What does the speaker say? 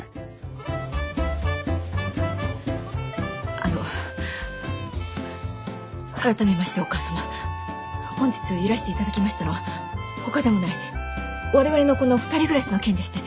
あの改めましてお母様本日いらして頂きましたのはほかでもない我々のこの２人暮らしの件でして。